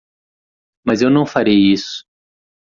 Mas eu não farei isso.